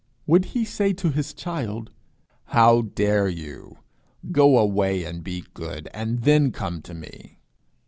Would he say to his child: "How dare you! Go away, and be good, and then come to me?"